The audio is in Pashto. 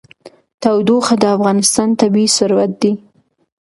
تودوخه د افغانستان طبعي ثروت دی.